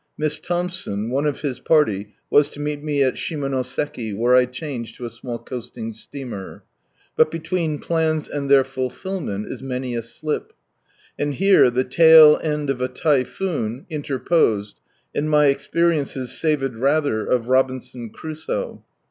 Miss Thompson, one of his party, was to meet me at Shimonoseki, where I change to a small coasting steamer. But between plans, and their fulfilment, is many a slip. And here "the tall end of a typhoon" interposed, and ray experiences savoured rather of Robioson Crusoe.